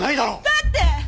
だって！